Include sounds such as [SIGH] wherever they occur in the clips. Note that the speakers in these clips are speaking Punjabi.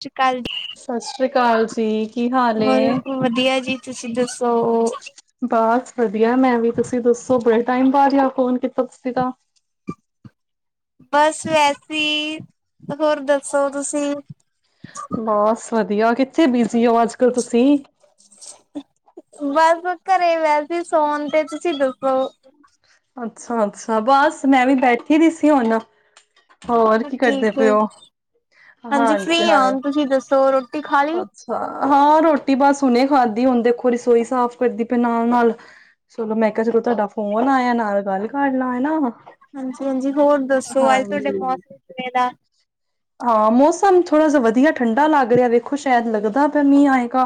ਸਤਿ ਸ਼੍ਰੀ ਅਕਾਲ ਜੀ। ਸਤਿ ਸ੍ਰੀ ਅਕਾਲ ਜੀ ਕੀ ਹਾਲ ਹੋਰ ਵਧੀਆ ਜੀ ਤੁਸੀਂ ਦੱਸੋ ਬਸ ਵਧੀਆ ਮੈਂ ਵੀ ਤੁਸੀਂ ਦੱਸੋ ਬੜੇ ਟਾਈਮ ਬਾਅਦ ਆ ਫੋਨ ਕੀਤਾ ਤੁਸੀਂ ਤਾ ਬਸ ਵੈਸੇ ਹੀ ਹੋਰ ਦੱਸੋ ਤੁਸੀਂ ਬਸ ਵਧੀਆ ਕਿੱਥੇ ਬਿਜੀ ਹੋ ਅੱਜ ਕੱਲ ਤੁਸੀਂ ਬਸ ਬ ਘਰੇ ਵਸ ਸੋਨ ਤੇ ਸੀ ਦ [INAUDIBLE] ਅੱਛਾ- ਅੱਛਾ ਬਸ ਮੈਂ ਵੀ ਬੈਠੀ ਦੀ ਸੀ ਹੂਨ ਠੀਕ ਹੈ ਜੀ ਹਾਂਜੀ ਫ੍ਰਰੀ ਆੁ ਤੁਸੀਂ ਦੱਸੋ ਰੋਟੀ ਰੁਟੀ ਖਾਲੀ ਅੱਛਾ ਹਾਂ ਰੋਟੀ ਬਸ ਹਨੇ ਖਾਦੀ ਹੁਣ ਦੇਖੋ ਰਸੋਈ ਸਾਫ਼ ਕਰਦੀ ਪਏ ਨਾਲ ਨਾਲ ਚਲੋ ਮੈਂ ਕਿਹਾ ਚਲੋ ਤੁਹਾਡਾ ਫੋਨ ਆਇਆ ਨਾਲ ਗੱਲ ਕਰ ਲਾ ਨਾ ਹਾਂਜੀ- ਹਾਂਜੀ ਹੋਰ ਦੱਸੋ ਅੱਜ ਤੁਹਾਡੇ ਮੌਸਮ ਸਵੇੇਰ ਦਾ ਸਾਨੂੰ ਥੋੜਾ ਸਾ ਠੰਡਾ ਵਧੀਆ ਲੱਗ ਲੱਗ ਰਿਹਾ ਵੇਖੋ ਸ਼ਾਇਦ ਲੱਗਦਾ ਪਿਆ ਮੀਂਹ ਆਏਗਾ।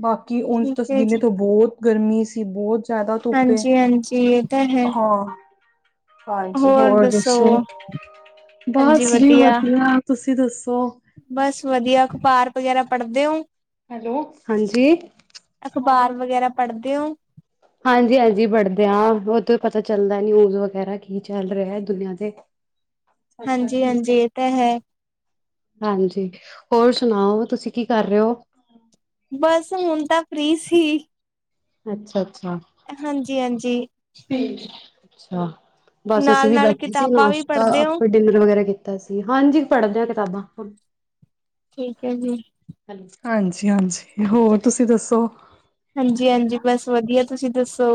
ਬਾਕੀ ਉਸ ਠੀਕ ਤੇ ਹੈ ਦਿਨ ਜੀ ਤੋਂ ਬਹੁਤ ਗਰਮੀ ਸੀ ਬਹੁਤ। ਜਿਆਦਾ ਧੁੱਪ ਐ। ਹਾਂਜੀ ਹਾਂਜੀ ਇਹ ਤਾਂ ਹੈ ਹਾਂ, ਹਾਂਜੀ ਹੋਰ ਦੱਸੋ। ਬਸ ਜੀ ਵਧੀਆ ਤੁਸੀਂ [INAUDIBLE] ਬਸ ਵਧੀਆ ਅਖ਼ਬਾਰ ਵਗੈਰਾ ਪੜ੍ਹਦੇ ਹੋ? ਹੈਲੋ ਹਾਂਜੀ ਹਾਂ। ਕਿਉਂ? ਹਾਂਜੀ ਹਾਂਜੀ ਪੜਦੇ ਹਾਂ। ਵੋ ਤੋਂ ਪਤਾ ਚੱਲਦਾ ਨਿਊਜ਼ ਵਗੈਰਾ ਕੀ ਚੱਲ ਰਿਹਾ ਐ ਦੁਨੀਆਂ ਤੇ। ਅੱਛਾ ਹਾਂਜੀ ਠੀਕ ਹੈ ਹਾਂਜੀ ਇਹ ਤਾਂ ਹੈ। ਹਾਂਜੀ ਹੋਰ ਸੁਣਾਓ, ਤੁਸੀਂ ਕੀ ਕਰ ਰਹੇ ਹੋ? ਬਸ ਹੁਣ ਤਾਂ ਫ੍ਰੀ ਸੀ। ਹੀ ਅੱਛਾ। ਹਾਂਜੀ ਹਾਂਜੀ। ਠੀਕ। ਅੱਛਾ। ਬਸ ਅਸੀਂ ਵੀ ਨਾਲ-ਨਾਲ ਬੈਠੇ ਸੀ ਕਿਤਾਬਾਂ ਵੀ ਨਾਸ਼ਤਾ ਪੜ੍ਹਦੇ ਹੋ? ਆਪਾਂ ਡਿਨਰ ਵਗੈਰਾ ਕੀਤਾ। ਅਸੀ, ਹਾਂਜੀ ਪੜਦੇ ਆਂ ਕਿਤਾਬਾਂ। ਠੀਕ ਹੈ ਜੀ। ਹਾਂਜੀ ਹਾਂਜੀ। ਹੋਰ ਤੁਸੀਂ ਦੱਸੋ। ਹਾਂਜੀ ਹਾਂਜੀ ਬਸ ਵਧੀਆ, ਤੁਸੀਂ ਦੱਸੋ?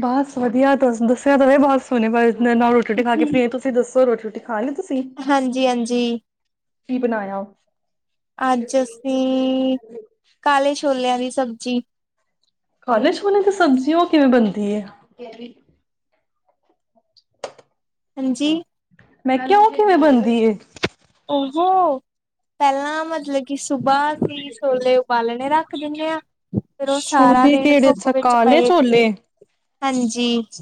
ਬਸ ਵਧੀਆ ਤੁਸ ਦੱਸਿਆ ਤੇ ਏ ਬਹੁਤ ਸੋਹਣੇ ਬ ਨਾਲ ਰੋਟੀ ਰੋਟੀ ਖਾ ਕੇ ਫਿਰ ਤੁਸੀ ਦੱਸੋ। ਹੋਰ ਰੋਟੀ ਰੁਟੀ ਹਾਂਜੀ ਹਾਂਜੀ। ਕੀ ਬਣਾਇਆ? ਅੱਜ ਅਸੀ ਕਾਲੇ ਛੋਲਿਆਂ ਦੀ ਸਬਜ਼ੀ ਕਾਲੇ ਛੋਲਿਆਂ ਦੀ ਸਬਜ਼ੀ। ਉਹ ਕਿਵੇਂ ਬਣਦੀ ਏ? ਅੱਛਾ। ਹਾਂਜੀ, ਮੈਂ ਕਿਹਾ ਉਹ ਕਿਵੇਂ ਬਣਦੀ ਏ? ਉਹ ਪਹਿਲਾਂ ਮਤਲਬ ਕਿ ਸੁਬਹ ਅਸੀ ਛੋਲੇ ਉਬਾਲਣੇ ਰੱਖ ਦੇਂਦੇ ਆ। ਫਿਰ ਉਹ ਸਾਰਾ ਛੋਲੇ ਦਿਨ ਕਿਹੜੇ? ਧੁੱਪ ਅੱਛਾ, ਵਿੱਚ ਕਾਲੇ ਪਏ ਛੋਲੇ। ਹਾਂਜੀ।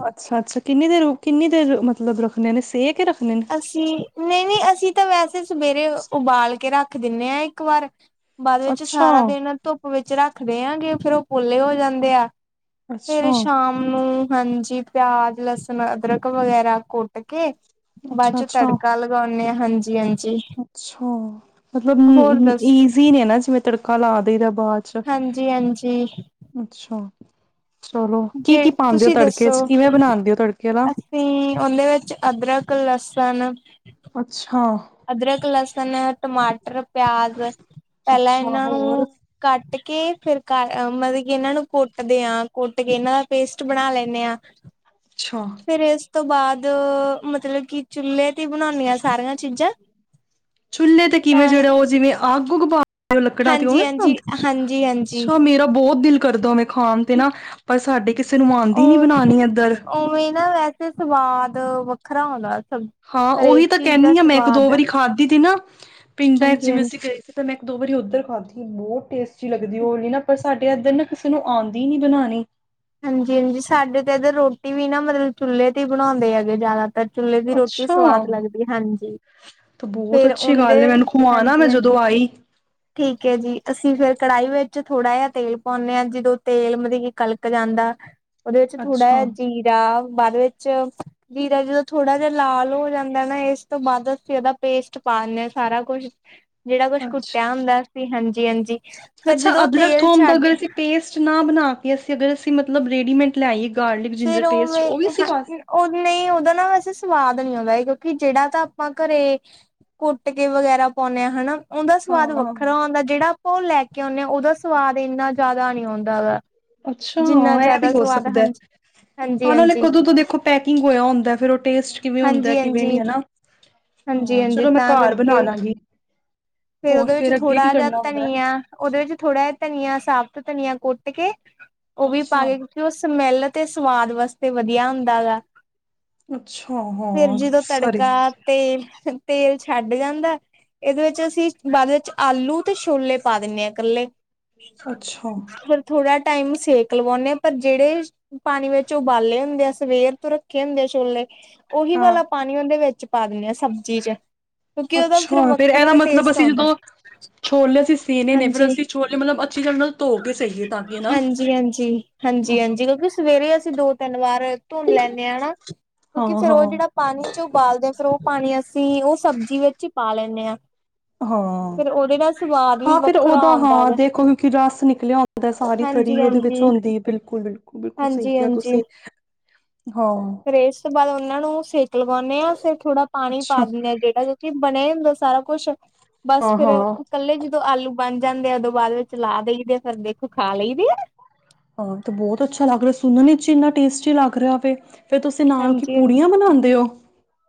ਅੱਛਾ ਅੱਛਾ। ਕਿੰਨੀ ਦੇਰ ਕਿੰਨੀ ਦੇਰ ਮਤਲਬ ਰੱਖਣੇ ਨੇ ਸੇਕੇ ਰੱਖ ਅਸੀ ਨਹੀਂ ਨਹੀਂ ਅਸੀਂ ਤਾਂ ਵੈਸੇ ਸਵੇਰੇ ਉਬਾਲ ਕੇ ਰੱਖ ਰੱਖ ਦਿਨੇ ਆ ਇੱਕ ਵਾਰ ਬਾਅਦ ਵਿੱਚ ਅੱਛਾ ਸਾਰਾ ਦਿਨ ਧੁੱਪ ਵਿੱਚ ਰੱਖ ਦੇ ਆਂਗੇ। ਫੇਰ ਉਹ ਪੋਲੇ ਹੋ ਜਾਂਦੇ ਆ। ਫੇਰ ਅੱਛਾ ਸ਼ਾਮ ਨੂੰ ਹਾਂਜੀ, ਪਿਆਜ, ਲੱਸਣ, ਅਦਰਕ ਵਗੈਰਾ ਕੁੱਟ ਕੇ ਬਾਦ ਅੱਛਾ 'ਚੋਂ ਅੱਛਾ ਤੜਕਾ ਲਗਾਉਣੇ ਹਾਂ, ਹਾਂਜੀ। ਜੀ ਆਇਆਂ ਨੂੰ। [UNINTELLIGIBLE] ਅੱਛਾ, ਮਤਲਬ ਈ ਹੋਰ ਈ ਦੱਸ ਈਜ਼ੀ ਨੇ ਨਾ ਜਿਵੇਂ ਤੜਕਾ ਹਲਾ ਦਇਦਾ ਬਾਜਰਾ ਹਾਂਜੀ-ਹਾਂਜੀ [UNINTELLIGIBLE] ਅੱਛਾ। ਚਲੋ ਕੀ ਜੇ ਕੀ ਪਾਉਂਦੇ ਹੋ ਤੁਸੀਂ ਤੜਕੇ ਦੱਸੋ, ਚ ਕਿਵੇਂ ਬਣਾਉਂਦੇ ਹੋ ਤੜਕੇ ਵਾਲਾ ਅਸੀਂ ਉਹਲੇ ਵਿੱਚ ਅਦਰਕ ਲਸੁਨ ਪਾਣਾ ਅੱਛਾ ਅਦਰਕ, ਲੱਸਣ, ਟਮਾਟ ਟਰ, ਪਿਆਜ ਪਹਿਲਾਂ ਅੱਛਾ ਇਹਨਾਂ ਹੋਰ ਨੂੰ ਕੱਟ ਕ ਕੇ ਫਿਰ ਕਰ ਮਤਲਬ ਕਿ ਇਹਨਾਂ ਨੂੰ ਕੁੱਟਦਿਆਂ ਕੁੱਟ ਕੇ ਨਾ ਪੇਸਟ ਬਣਾ ਲੈਣੇ ਆ। ਅੱਛਾ ਫਿਰ ਇਸ ਤੋਂ ਬਾਦ ਮਤਲਬ ਕਿ ਚੁੱਲ੍ਹੇ ਤੇ ਬਣਾਉਣੇ ਆ ਸਾਰੀਆਂ ਚੀਜ਼ਾਂ। ਚੁੱਲ੍ਹੇ ਤੇ ਕਿਵੇਂ ਤਾਂ ਜਿਹੜਾ ਉਹ ਜਿਵੇਂ ਅੱਗ ਊਗ ਬਾ [UNINTELLIGIBLE] ਲੱਕੜਾਂ ਤੇ ਉਹਵੇਂ ਹਾਂਜੀ-ਹਾਂਜੀ, ਬਣਾਉਂਦੇ, ਹਾਂਜੀ-ਹਾਂਜੀ ਅੱਛਾ ਮੇਰਾ ਬਹੁਤ ਦਿਲ ਕਰਦਾ ਮੈਂ ਖਾਣ ਤੇ ਨਾ ਪਰ ਸਾਡੇ ਕਿਸ ਕਿਸੇ ਨੂੰ ਆਉਂਦੀ ਨੀ ਔਰ ਬਣਾਉਣੀ ਇਧਰ। ਉਵੇਂ ਨਾ ਵੈਸੇ ਸਵਾਦ ਵੱਖਰਾ ਆਉਂਦਾ। ਹਾਂ, ਉਵੀ ਤਾਂ ਕਹਿਣੀ ਹਾਂ ਮੈਂ ਇੱਕ ਦੋ ਆ ਵਾਰੀ ਖਾਧੀ ਥੀ ਨਾ। ਪਿੰਡਾਂ ਚ ਜੀਵੇ ਅਸੀਂ ਹਾਂਜੀ-ਹਾਂਜੀ। ਗਏ ਸੀ ਤੇ ਮੈਂ ਦੋ ਵਾਰੀ ਉੱਧਰ ਖਾਧੀ ਬਹੁਤ ਟੇਸਟੀ ਲੱਗਦੀ ਉਹ ਲੀ ਨਾ ਪਰ ਸਾਡੇ ਇੱਧਰ ਨਾ ਕਿਸੇ ਨੂੰ ਆਉਂਦੀ ਨੀ ਬਣਣੀ। ਹਾਂਜੀ-ਹਾਂਜੀ, ਸਾਡੇ ਤਾ ਇਧਰ ਰੋ ਟੀ ਵੀ ਨਾ ਮਤਲਬ ਚੁੱਲ੍ਹੇ ਤੇ ਹੀ ਬਣਾਉਂਦੇ ਹੈਗੇ ਜ਼ਿਆਦਾ ਪਰ ਚੁੱਲ੍ਹੇ ਦੀ ਰੋਟੀ ਅੱਛਾ ਸਵਾਦ ਲੱਗਦੀ ਏ ਹਾਂਜੀ ਤਾਂ ਬਹੁਤ ਫੇਰ ਅੱਛੀ ਉਂਦੇ ਗੱਲ ਹੈ ਮੈਨੂੰ ਖਵਾਉਣਾ ਮੈਂ ਹਾਂਜੀ ਹਾਂ ਜਦੋਂ ਆਈ ਠੀਕੇ ਜੀ ਆਸੀ ਫੇਰ ਕੜਾਹੀ ਵਿੱਚ ਥੋੜਾ ਜਿਹਾ ਤੇਲ ਪਾਉਂਨੇ ਆਂ ਜਦੋਂ ਤੇਲ ਮਤਲਬ ਕਿ ਨਿਕਲ ਕ ਜਾਂਦਾ ਉਹਦੇ ਵਿੱਚ ਥੋੜ੍ਹਾ ਜਿਹਾ ਅੱਛਾ ਜੀਰਾ ਬਾਦ ਵਿੱਚ ਜੀਰਾ ਜਦੋਂ ਥੋੜਾ ਜਿਹਾ ਲਾਲ ਹੋ ਜਾਂਦਾ ਨਾ ਇਸ ਤੋਂ ਬਾਦ ਅਸੀਂ ਉਹਦਾ ਪੇਸਟ ਪਾਂਦੇ ਹਾਂ ਸਾਰਾ ਕੁੱਝ। ਜਿਹੜਾ ਕੁਛ ਅੱਛਾ ਕੁੱਟਿਆ ਹੁੰਦਾ ਸੀ ਹਾਂਜੀ ਜੀ ਹਾਂਜੀ ਫੇਰ ਅੱਛਾ ਜਦੋਂ ਅਦਰਕ ਤੇਲ ਥੋਮ ਦਾ ਛੱਡ ਅਗਰ ਅਸੀਂ ਪੇਸਟ ਨਾ ਬਨਾ ਅਸੀਂ ਅਗਰ ਅਸੀਂ ਮਤਲਬ ਰੇਡੀਮੇਟ ਲੈਆਈਏ ਫੇਰ ਉਹਵੇ ਉਹ ਨਹੀਂ ਉਹਦਦਾ ਨਾ ਵੈਸੇ ਸਵਾਦ ਨੀ ਆਉਂਦਾ ਕਿਉਂਕਿ ਜਿਹੜਾ ਤਾਂ ਆਪਾਂ ਘਰੇ ਕੁਟ ਕੇ ਵਗੈਰਾ ਪਾਉਂਨੇ ਹਾਂ ਹਨਾ ਉਹਦਾ ਸਵਾਦ ਹਾਂ ਵੱਖਰਾ ਹੁੰਦਾ ਜਿਹੜਾ ਆਪਾਂ ਉਹ ਲੈ [UNINTELLIGIBLE] ਉਹਦਾ ਸਵਾਦ ਇੰਨਾ ਜ਼ਿਆਦਾ ਨੀ ਆਉਂਦਾ ਹੈਗਾ ਅੱਛਾ ਇਹ ਵੀ ਹੋ ਸਕਦੈ ਹਾਂਜੀ ਹਾਂ ਨਾਲੇ ਹਾਂਜੀ ਕਦੋਂ ਤੋਂ ਦੇਖੋ ਪੈਕਿੰਗ ਹੋਇਆ ਹੁੰਦਾ ਫਰ ਉਹ ਟੇਸਟ ਕਿਵੇਂ ਹੁੰਦਾ ਹਾਂਜੀ ਕਿਵੇਂ ਨੀ ਹਾਂਜੀ ਹੈਨਾ ਹਾਂਜੀ ਹਾਂ ਹਾਂਜੀ ਚਲੋ ਮੈਂ ਤਾਂ ਘਰ ਬਨਾ ਕਰਕੇ ਲਾਂਗੀ ਫੇਰ ਹੋਰ ਉਹਦੇ ਵਿੱਚ ਫਿਰ ਅੱਗੇ ਕੀ ਥੋੜਾ ਜਿਹਾ ਕਰਨਾ ਹੁੰਦਾ ਹੈ ਧਨੀਆ ਉਹਦੇ ਵਿੱਚ ਥੋੜਾ ਧਨੀਆ ਸਾਬਤ ਧਨੀਆ ਕੁੱਟ ਕੇ ਉਹ ਵੀ ਪਾ ਅੱਛਾ ਕੇ ਕਿਉਂਕਿ ਉਹ ਸਮੈਲ ਤੇ ਸਵਾਦ ਵਾਸਤੇ ਵਧੀਆ ਹੁੰਦਾ ਗਾ ਅੱਛਾ ਫੇਰ ਹਾਂ ਜਦੋਂ ਸਾਰੇ ਤੜਕਾ ਤੇ ਤੇਲ ਛੱਡ ਜਾਂਦਾ ਇਹਦੇ ਵਿੱਚ ਅਸੀਂ ਬਾਅਦ ਵਿੱਚ ਆਲੂ ਤੇ ਛੋਲੇ ਪਾ ਦੇਨੇ ਆ ਇਕੱਲੇ ਅੱਛਾ ਪਰ ਥੋੜਾ ਟਾਈਮ ਸੇਕ ਲਵਾਉਂਨੇ ਆਂ ਪਰ ਜਿਹੜੇ ਪਾਨੀ ਵਿੱਚ ਉਬਾਲੇ ਹੁੰਦੇ ਆ ਸਵੇਰ ਤੋਂ ਰੱਖੇ ਹੁੰਦੇ ਆ ਛੋਲੇ ਉਹੀ ਹਾਂ ਵਾਲਾ ਪਾਨੀ ਉਹਦੇ ਵਿੱਚ ਪਾ ਦਿੰਨੇ ਹਾਂ ਸਬਜ਼ੀ ਚ ਕਿਉਂਕਿ ਉਹਦਾ ਫੇਰ ਅੱਛਾ ਫਿਰ ਇਹਦਾ ਵੱਖਰਾ ਮਤਲਬ ਟੇਸਟ ਅਸੀਂ ਜਦੋਂ ਛੋਲੇ ਅਸੀਂ ਸੇਨੇ ਨੇ ਫਿਰ ਅਸੀਂ ਛੋਲੇ ਮਤਲਬ ਅੱਛੀ ਤਰ੍ਹਾਂ ਨਾਲ ਧੋ ਕੇ ਸਹੀਏ ਤਾਂ ਕਿ ਨਾ ਹਾਂ ਹਾਂਜੀ-ਹਾਂਜੀ-ਹਾਂਜੀ-ਹਾਂਜੀ-ਹਾਂਜੀ ਕਿਉਂਕਿ ਸਵੇਰੇ ਅਸੀਂ ਦੋ ਤਿੰਨ ਵਾਰ ਧੁਨ ਲੈਂਦੇ ਹਾਂ ਨਾ ਕਿਉਂਕਿ ਫਿਰ ਉਹ ਹਾਂ ਜਿਹੜਾ ਪਾਣੀ ਚ ਉਬਾਲਦੇ ਹਾਂ ਫੇਿਰ ਉਹ ਪਾਣੀ ਅਸੀਂ ਉਹ ਸਬਜ਼ੀ ਵਿੱਚ ਹੀ ਪਾ ਲੈਂਦੇ ਹਾਂ ਹਾਂ ਫਿਰ ਉਹਦੇ ਨਾਲ ਸਵਾਦ ਵੀ ਹਾਂ ਫਿਰ ਵੱਖਰਾ ਉਹਦਾ ਆਉਂਦਾ ਹਾਂ ਹੈਗਾ ਦੇਖੋ ਕਿਉਂਕਿ ਰਸ ਨਿਕਲਿਆ ਹੁੰਦਾ ਸਾਰੀ ਤਰੀ ਉਹਦੇ ਵਿੱਚ ਹੁੰਦੀ ਹੈ ਬਿਲਕੁਲ-ਬਿਲਕੁਲ ਹਾਂਜੀ-ਹਾਂਜੀ ਹਾਂ ਫਿਰ ਇਸ ਤੋਂ ਬਾਅਦ ਉਹਨਾਂ ਨੂੰ ਸੇਕ ਲਗਾਉਂਦੇ ਹਾਂ ਫਿਰ ਥੋੜਾ ਪਾਣੀ ਪਾ ਅੱਛਾ ਦਿੰਦੇ ਹਾਂ ਜਿਹੜਾ ਕਿਉਂਕਿ ਬਣਿਆ ਹੀ ਹੁੰਦਾ ਸਾਰਾ ਕੁਛ- ਬਸ ਹਾਂ ਫੇਿਰ ਹਾਂ ਇਕੱਲੇ ਜਦੋਂ ਆਲੂ ਬਣ ਜਾਂਦੇ ਆ ਉਦੋਂ ਬਾਅਦ ਵਿੱਚ ਲਾ ਦੇਈਦੇ ਆ ਫਿਰ ਦੇਖੋ ਖਾ ਲਈਦੇ ਆ ਹਾਂ ਤੇ ਬਹੁਤ ਅੱਛਾ ਲੱਗ ਰਿਹਾ ਸੁਣਨ ਵਿਚ ਇੰਨਾ ਟੇਸਟੀ ਲੱਗ ਰਿਹਾ ਵੇ ਫੇਰ ਤੁਸੀਂ ਨਾਲ ਕੀ ਹਾਂਜੀ, ਹਾਂਜੀ। ਪੂੜੀਆਂ ਬਣਾਉਂਦੇਂ ਹੋ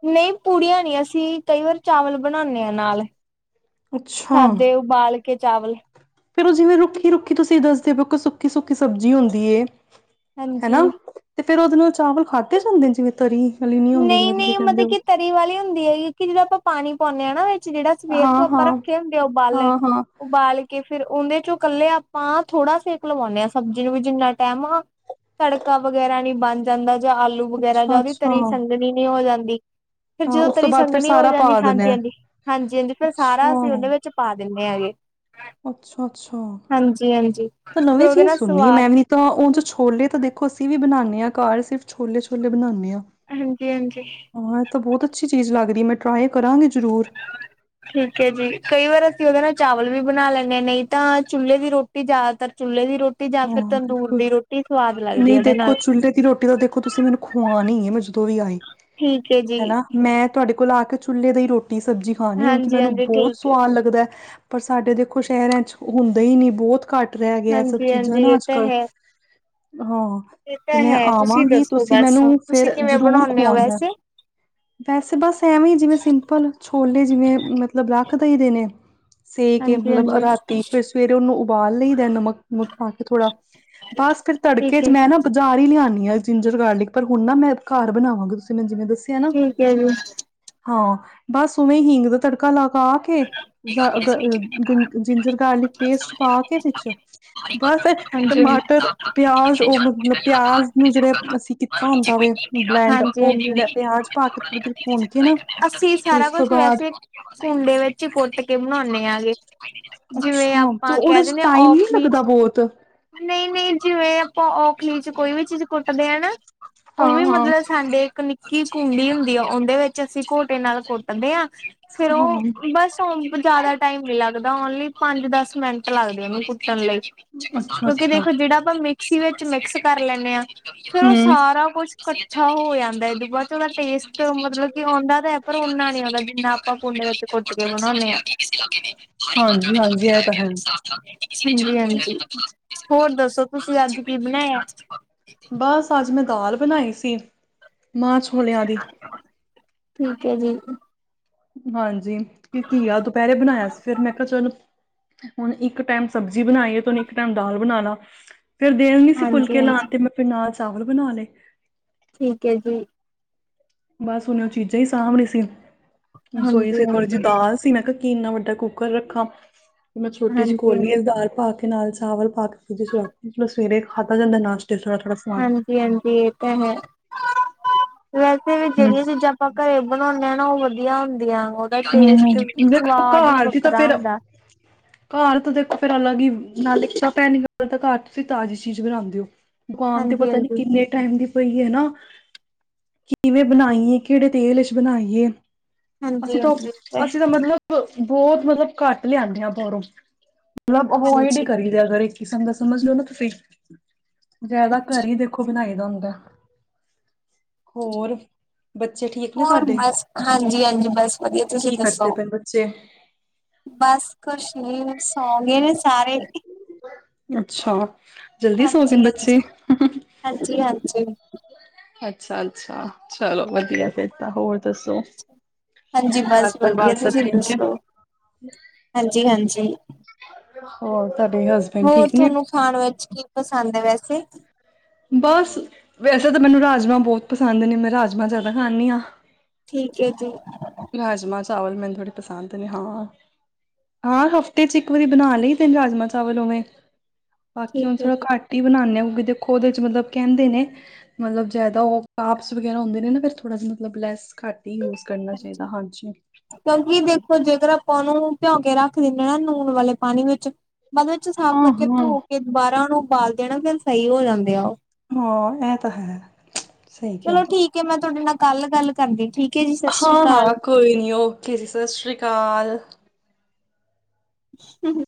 ਨਹੀਂ ਪੂੜੀਆਂ ਨਹੀਂ ਅਸੀਂ ਕਈ ਵਾਰ ਚਾਵਲ ਬਣਾਉਦੇ ਹਾਂ ਨਾਲ ਅੱਛਾ ਸਾਦੇ ਉਬਾਲ ਕੇ ਚਾਵਲ ਫੇਰ ਉਹ ਜਿਵੇਂ ਰੁੱਖੀ ਰੁੱਖੀ ਤੁਸੀਂ ਦੱਸਦੇ ਸੁੱਕੀ ਸੁੱਕੀ ਸਬਜ਼ੀ ਹੁੰਦੀ ਏ ਹੈ ਹਾਂਜੀ ਨਾ ਤੇ ਫੇਰ ਉਹਦੇ ਨਾਲ ਚਾਵਲ ਖਾਧਦੇ ਜਾਂਦੇ ਨੇ ਜਿਵੇਂ ਤਰੀ ਵਾਲੀ ਨੀ ਹੁੰਦੀ ਨਹੀਂ ਜਿਵੇਂ ਤੁਸੀਂ ਨਹੀਂ ਕਹਿੰਦੇ ਮਤਲਬ ਹੋ ਕਿ ਤਰੀ ਵਾਲੀ ਹੁੰਦੀ ਹੈ ਕਿਉਂਕਿ ਜਿਹਦੋਂ ਆਪਾਂ ਪਾਣੀ ਪਾਉਂਦੇ ਆਾਂ ਜਿਹੜਾ ਸਵੇਰ ਤੋਂ ਹਾਂ ਆਪਾਂ ਹਾਂ ਰੱਖੇ ਹੁੰਦੇ ਆ ਉਬਾਲੇ ਹਾਂ ਹਾਂ ਉਬਾਲ ਕੇ ਫੇਰ ਉਹਦੇ ਚੋਂ ਇਕੱਲੇ ਆਪਾਂ ਥੋੜਾ ਸੇਕ ਲਵਾਉਦੇ ਹਾਂ ਸਬਜ਼ੀ ਨੂੰ ਵੀ ਜਿੰਨਾ ਟੈਮ ਆ ਤੜਕਾ ਵਗੈਰਾ ਨੀ ਬਣ ਜਾਂਦਾ। ਜਾਂ ਆਲੂ ਵਗੈਰਾ ਜਾਂ ਅੱਛਾ ਉਹਦੀ ਅੱਛਾ ਤਰੀ ਸੰਗਣੀ ਨਹੀਂ ਹੋ ਜਾਂਦੀ ਫੇਰ ਹਾਂ ਜਦੋਂ ਉਸ ਤੋਂ ਤਰੀ ਬਾਅਦ ਫਿਰ ਸੰਘਣੀ ਹੋ ਸਾਰਾ ਜਾਂਦੀ ਪਾ ਹਾਂਜੀ ਦੇਣਾ ਹਾਂਜੀ ਹਾਂਜੀ ਹਾਂਜੀ ਫਿਰ ਸਾਰਾ ਅੱਛਾ ਅਸੀਂ ਉਹੇ ਵਿੱਚ ਪਾ ਦਿੰਦੇ ਹੈਗੇ ਅੱਛਾ ਅੱਛਾ ਹਾਂਜੀ ਹਾਂਜੀ ਤਾਂ ਫਿਰ ਨਵੀਂ ਉਹਦੇ ਚੀਜ਼ ਨਾਲ ਸੁਣਨੀ ਮੈਂ ਸਵਾਦ ਵੀ ਨ ਤਾਂ ਉ ਚ ਛੋਲੇ ਤਾਂ ਦੇਖੋ ਅਸੀਂ ਵੀ ਬਣਾਉਦੇ ਘਰ ਸਿਰਫ ਛੋਲੇ ਛੋਲੇ ਬਣਾਉਂਦੇ ਹਾਂ। ਹਾਂਜੀ ਹਾਂਜੀ ਹਾਂ, ਇਹ ਤਾਂ ਬਹੁਤ ਅੱਛੀ ਚੀਜ਼ ਲੱਗਦੀ ਹੈ ਮੈਂ ਟਰਾਈ ਕਰਾਂਗੀ ਜ਼ਰੂਰ। ਠੀਕ ਹੈ ਜੀ ਕਈ ਵਾਰ ਅਸੀਂ ਉਹਦੇ ਨਾਲ ਚਾਵਲ ਵੀ ਬਣਾ ਲੈਂਦੇ ਹਾਂ ਨਹੀਂ ਤਾਂ ਚੁੱਲ੍ਹੇ ਦੀ ਰੋਟੀ ਜ਼ਿਆਦਾਤਰ ਚੁੱਲ੍ਹੇ ਦੀ ਰੋਟੀ ਜਾਂ ਫਿਰ ਹਾਂ ਤੰਦੂਰ ਬਿਲਕੁਲ ਦੀ ਰੋਟੀ ਸਵਾਦ ਲੱਗਦੀ ਨਹੀਂ ਉਹਦੇ ਦੇਖੋ ਨਾਲ ਚੁੱਲ੍ਹੇ ਦੀ ਰੋਟੀ ਤਾਂ ਦੇਖੋ ਤੁਸੀਂ ਮੈਨੂੰ ਖਵਾਣੀ ਹੈ ਮੈਂ ਜਦੋਂ ਵੀ ਆਈ ਠੀਕ ਜੀ ਹੈ ਨਾ ਮੈਂ ਤੁਹਾਡੇ ਕੋਲ ਲਾ ਕੇ ਚੁੱਲ੍ਹੇ ਦੀ ਹੀ ਰੋਟੀ ਰੋਟੀ ਸਬਜ਼ੀ ਖਾਣੀ ਕਿਉਂਕਿ ਮੈਨੂੰ ਹਾਂਜੀ-ਹਾਂਜੀ ਬਹੁਤ ਠੀਕ ਹੈ ਸਵਾਦ ਲੱਗਦਾ ਪਰ ਸਾਡੇ ਦੇਖੋ ਸ਼ਹਿਰਾਂ 'ਚ ਹੁੰਦਾ ਹੀ ਨਹੀਂ ਬਹੁਤ ਘੱਟ ਰਹਿ ਗਿਆ ਸਭ ਚੀਜ਼ਾਂ ਹੈ ਹਾਂਜੀ-ਹਾਂਜੀ ਨਾ ਇਹ ਅੱਜ ਤਾਂ ਕਲ ਹੈ ਹਾਂ ਇਹ ਤੇ ਤਾਂ ਮੈਂ ਹੈ ਤੁਸੀਂ ਆਵਾਂਗੀ ਦੱਸੋ ਤੁਸੀਂ ਬਸ ਮੈਨੂੰ ਤੁਸੀਂ ਫੇਰ ਕਿਵੇਂ ਜ਼ਰੂਰ ਬਣਾਉਂਦੇ ਹੋ ਖਵਾਉਣਾ ਐ। ਵੈਸੇ ਵੈਸੇ ਬਸ ਐਵੇਂ ਹੀ ਜਿਵੇਂ ਸਿੰਪਲ ਛੋਲੇ ਜਿਵੇਂ ਮਤਲਬ ਰੱਖ ਦਈ ਦੇ ਨੇ ਸੇ ਕੇ ਮਤਲਬ ਹਾਂਜੀ-ਹਾਂਜੀ ਰਾਤੀ ਫੇਰ ਸਵੇਰੇ ਉਹਨੂੰ ਪਾ ਲਈਦਾ ਐ ਨਮਕ। ਪਾ ਕੇ ਥੋੜਾ ਬਸ ਫ਼ਿਰ ਤੜਕੇ ਠੀਕ ਚ ਹੈ ਮੈਂ ਨਾ ਬਾਜ਼ਾਰ ਹੀ ਲਿਆ ਜਿੰਜਰ ਗਾਰਲਿਕ ਪਰ ਹੁਣ ਨਾ ਮੈਂ ਘਰ ਬਣਾਵਾਂਗਾ ਤੁਸੀਂ ਮੈ ਜਿਵੇਂ ਦੱਸ ਠੀਕ ਹੈ ਜੀ। ਹਾਂ ਬਸ ਉਵੇਂ ਹਿੰਗ ਦਾ ਤੜਕਾ ਲਾ ਪਕਾ ਕੇ ਜਾਂ ਜਿੰਜਰ ਗਾਰਲਿਕ ਪੇਸਟ ਪਾ ਕੇ ਵਿੱਚ ਬਸ ਹਾਂਜੀ-ਹਾਂਜੀ ਟਮਾਟਰ ਪਿਆਜ ਉਹ ਮਤਲਬ ਪਿਆਜ ਨੂੰ ਜਿਹੜੇ ਅਸੀਂ ਕੀਤਾ ਹੁੰਦਾ ਵੇ ਬਲੈਂਡ ਉਹ ਹਾਂਜੀ-ਹਾਂਜੀ ਪਿਆਜ ਪਾ ਕੇ ਥੋੜੀ ਦੇਰ ਭੁੰਨ ਕੇ ਨਾ ਅਸੀ ਫਿਰ ਸਾਰਾ ਉਸ ਤੋਂ ਕੁਛ ਬਾਅਦ ਵੈਸੇ ਕੁੰਡੇ ਵਿੱਚ ਕੁੱਟ ਕੇ ਬਣਾਉਂਦੇ ਆ ਗੇ। ਜਿਵੇਂ ਅੱਛਾ। ਤੇ ਆਪਾਂ ਕਹਿ ਉਹਦੇ ਚ ਦਿੰਦੇ ਆ ਟਾਈਮ ਨੀ ਔਖਲੀ ਲੱਗਦਾ ਚ ਬਹੁਤ। ਨਹੀਂ-ਨਹੀਂ ਜਿਵੇਂ ਔਖਲੀ ਚ ਕੋਈ ਵੀ ਚੀਜ਼ ਕੁੱਟਦੇ ਆ ਨਾ। ਉਹ ਵੀ ਹਾਂ-ਹਾਂ। ਮਤਲਬ ਸਾਡੇ ਇੱਕ ਨਿੱ ਕੀ ਕੁੰਡੀ ਹੁੰਦੀ ਆ। ਉਹਦੇ ਵਿੱਚ ਅਸੀਂ ਘੋਟੇ ਨਾਲ ਕੁੱਟਦੇ ਹਾਂ। ਫਿਰ ਹਾਂ, ਉਹ ਬਸ ਹੁਣ ਜਿਆਦਾ ਟਾਈਮ ਮਿਲਾ ਲੱਗਦਾ ਓਨਲੀ ਪੰਜ ਦਸ ਮਿੰਟ ਲੱਗਦੇ ਉਹਨੂੰ ਕੁੱਟਣ ਲਈ। ਕਿਉਂਕਿ ਅੱਛਾ-ਅੱਛਾ, ਦੇਖੋ ਜਿਹੜਾ ਆਪਾਂ ਮਿੱ ਅਸੀ ਵਿੱਚ ਮਿਕਸ ਕਰ ਲੈਂਦੇ ਹਾਂ। ਫਿਰ ਉਹ ਹੂੰ, ਸਾਰਾ ਕੁਛ ਇਕੱਠਾ ਹੋ ਜਾਂਦਾ ਐ ਤੇ ਬਾਅਦ ਚ ਉਹਦਾ ਟੇਸਟ ਮਤਲਬ ਕਿ ਆਉਂਦਾ ਤਾਂ ਹੈ ਪਰ ਓਨਾ ਨਹੀਂ ਆਉਂਦਾ ਜਿੰਨਾ ਆਪਾਂ ਕੁੰਡੇ ਵਿੱਚ ਕੁ [INAUDIBLE] ਹਾਂਜੀ-ਹਾਂਜੀ। ਹਾਂਜੀ-ਹਾਂਜੀ ਇਹ ਤਾਂ ਹੈ। ਹੋਰ ਦੱਸੋ ਤੁਸੀਂ ਅੱਜ ਕੀ ਬਣਾਇਆ? ਬਸ ਅੱਜ ਮੈਂ ਦਾਲ ਬਣਾਈ ਸੀ। ਮਾਹ ਛੋਲਿਆਂ ਦੀ। ਠੀਕ ਹੈ ਜੀ। ਹਾਂਜੀ ਕਿ ਘੀਆ ਦੁਪਹਿਰੇ ਬਣਾਇਆ ਸੀ। ਫਿਰ ਮੈਂ ਕਿਹਾ ਚਲੋ ਹੁਣ ਇੱਕ ਟਾਈਮ ਸਬਜ਼ੀ ਬਣਾਈ ਹੈ ਤੇ ਉਹਨੂੰ ਇੱਕ ਟਾਈਮ ਦਾਲ ਬਣਾ ਲਾ। ਫਿਰ ਦੇਣੀ ਸੀ ਹਾਂਜੀ ਫੁਲਕੇ ਹਾਂਜੀ ਲਾਉਣ ਤੇ ਮੈਂ ਫਿਰਨਾ ਚਾਵਲ ਬਣਾ ਲਏ। ਠੀਕ ਹੈ ਜੀ। ਬਸ ਹੁਣ ਉਹ ਚੀਜ਼ਾਂ ਹੀ ਸਾਂਭ ਰਹੀ ਸੀ। ਰਸੋਈ ਸੀ ਹਾਂਜੀ ਥੋੜ੍ਹੀ ਜਿਹੀ ਹਾਂਜੀ ਦਾਲ ਸੀ ਮੈਂ ਕਿਹਾ ਕਿ ਇੰਨਾ ਵੱਡਾ ਕੁੱਕਰ ਰੱਖਾ ਮੈਂ ਛੋਟੀ ਜਹੀ ਹਾਂਜੀ ਕੋਲੀ ਦਾਲ ਪਾ ਕੇ ਨਾਲ ਚਾਵਲ ਪਾ ਕੇ ਫਰਿੱਜ ਵਿੱਚ ਰੱਖ ਦੋ ਥੋੜਾ ਸਵੇਰੇ ਖਾਦਾ ਜਾਂਦਾ ਨਾਸ਼ਤਾ ਹਾਂਜੀ ਹਾਂਜੀ ਇਹ ਤਾਂ ਹੈ ਵੈਸੇ ਵੀ ਹੂੰ ਜਿਹੜੀਆਂ ਚੀਜ਼ਾਂ ਆਪਾਂ ਘਰੇ ਬਣਾਉਂਣੇ ਆ ਨਾ ਉਹ ਵਧ ਹੁੰਦੀਆਂ ਉਹਦਾ ਟੇਸਟ ਹੂੰ ਦੇਖੋ ਸਵਾਦ ਹੀ ਘਰ ਦੀ ਤਾਂ ਵੱਖਰਾ ਫੇਰ ਹੁੰਦਾ ਘਰ ਤਾਂ ਦੇਖੋ ਫੇਰ ਅਲੱਗ ਹੀ ਨਾਲ ਇੱਕਾ [UNINTELLIGIBLE] ਤਾਂ ਘਰ ਤੁਸੀਂ ਤਾਜ਼ੀ ਚੀਜ਼ ਬਣਾਉਂਦੇ ਹੋ। ਦੁਕਾਨ ਤੇ ਹਾਂਜੀ ਪਤਾ ਨੀ ਹਾਂਜੀ ਕਿੰਨੇ ਟਾਈਮ ਦੀ ਪਈ ਏ ਨਾ। ਕਿਵੇਂ ਬਣਾਈਏ ਕਿਹੜੇ ਤੇਲ ਵਿੱਚ ਬਣਾਈਏ? ਅਸੀਂ ਹਾਂਜੀ ਤਾਂ ਹਾਂਜੀ ਤੇ ਅਸੀਂ ਤਾਂ ਮਤਲਬ ਬਹੁਤ ਮਤਲਬ ਘੱਟ ਲਿਆਂਂਦੇ ਆ ਬਾਹਰੋਂ। ਮਤਲਬ ਅਵਾਇਡ ਹੀ ਹਾਂਜੀ ਕਰੀ ਦਾ [UNINTELLIGIBLE] ਕਿਸਮ ਦਾ ਸਮਝ ਲਓ ਨਾ ਤੁਸੀਂ। ਜ਼ਿਆਦਾ ਹਾਂਜੀ ਘਰ ਹੀ ਦੇਖੋ ਬਣਾਏ। ਦਾ ਹੁੰਦਾ ਹੋਰ ਬੱਚੇ ਠੀਕ ਨੇ ਹੋਰ ਤੁਹਾਡੇ? ਬਸ ਹਾਂਜੀ ਹਾਂਜੀ ਬਸ ਵਧੀਆ ਤੁਸੀਂ ਕੀ ਕਰਦੇ ਦੱਸੋ? ਪਏ ਨੇ ਬੱਚੇ? ਬਸ ਕੁਛ ਨੀ ਸੌ ਗੇ ਨੇ ਸਾਰੇ। ਅੱਛਾ ਜਲਦੀ ਸੋ ਗਏ ਹਾਂਜੀ ਨੇ ਬੱਚੇ। ਹਾਂਜੀ ਹਾਂ ਹਾਂ ਹਾਂਜੀ ਹਾਂਜੀ ਅੱਛਾ ਅੱਛਾ ਚਲੋ ਵਧੀਆ ਫੇਰ ਤਾਂ ਹੋਰ। ਦੱਸੋ? ਹਾਂਜੀ ਘਰ ਬਸ ਵਧੀਆ ਪਰਿਵਾਰ ਸਭ ਤੁਸੀਂ ਠੀਕ ਹੈ? ਦੱਸੋ? ਹਾਂਜੀ-ਹਾਂਜੀ [UNINTELLIGIBLE] ਹਸਬੈਂਡ ਹੋਰ ਠੀਕ ਨੇ? ਤੁਹਾਨੂੰ ਖਾਣ ਵਿੱਚ ਕੀ ਪਸੰਦ ਹੈ ਵੈਸੇ? ਯ ਬਸ ਵੈਸੇ ਤਾਂ ਮੈਨੂੰ ਰਾਜਮਾਂ ਬਹੁਤ ਪਸੰਦ ਨੇ ਮੈਂ ਰਾਜਮਾਂ ਜ਼ਿਆਦਾ ਖਾਂਦੀ ਹਾਂ। ਠੀਕ ਏ ਜੀ। ਰਾਜਮਾਂ ਚਾਵਲ ਮੈਨੂੰ ਥੋੜੇ ਪਸੰਦ ਨੇ ਹਾਂ ਹਾਂ ਹਫ਼ਤੇ ਚ ਇੱਕ ਵਾਰੀ ਬਣਾ ਲਈ ਤੇ ਰਾਜਮਾਂ ਚਾਵਲ ਉਵੇਂ। ਬਾਕੀ ਠੀਕ ਹੁਣ ਹੈ ਥੋੜਾ ਜੀ, ਘੱਟ ਹੀ ਬਣਾਨੇ ਆ। ਦੇਖੋ ਉਹਦੇ ਚ ਮਤਲਬ ਕਹਿੰਦੇ ਨੇ ਮਤਲਬ ਜਿਆਦਾ ਉਹ ਕਾਪਸ ਵਗੈਰਾ ਹੁੰਦੇ ਨੇ ਨਾ ਫਿਰ ਥੋੜਾ ਜਾ ਮਤਲਬ ਲੈਸ ਘੱਟ ਹੀ ਯੂਜ ਕਰਨ। ਕਿਉਂਕਿ ਦੇਖੋ ਜੇਕਰ! ਆਪਾਂ ਉਹਨੂੰ ਭਿਉਂ ਕੇ ਰੱਖ ਦਿੰਨੇ ਆ ਨੂਣ ਵਾਲੇ ਪਾਣੀ ਵਿੱਚ। ਬਾਅਦ ਵਿੱਚ ਸਾਫ਼ ਹਾਂ ਕਰਕੇ ਹਾਂ। ਧੋ ਕੇ ਦੁਬਾਰਾ ਉਹਨੂੰ। ਪਾਲਦੇ ਆ ਨਾ ਫੇਿਰ ਸਹੀ ਹੋ ਜਾਂਦੇ ਆ ਉਹ। ਹਾਂ ਇਹ ਤਾਂ। ਸਹੀ ਕਿਹਾ ਚਲੋ ਠੀਕ ਹੈ ਮੈਂ ਤੁਹਾਡੇ ਨਾਲ, ਕੱਲ ਗੱਲ ਕਰਦੇ ਠੀਕਾ। ਹਾਂ -ਹਾਂ ਕੋਈ ਨੀ ਓਕੇ ਜੀ ਸਤਿ ਸ੍ਰੀ ਅਕਾਲ। ਹਮ!